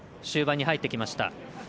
終盤に入ってきました。